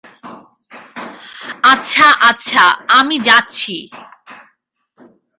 আচ্ছা, আচ্ছা, আমি যাচ্ছি।